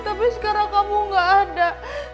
tapi sekarang kamu gak ada